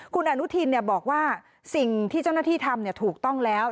คุณอนุทินบอกว่าสิ่งที่เจ้าหน้าที่ทำถูกต้องแล้ว